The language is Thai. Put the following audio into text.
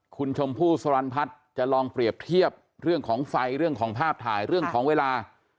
คุณชมพู่สรรพัฒน์จะลองเปรียบเทียบเรื่องของไฟเรื่องของภาพถ่ายเรื่องของเวลา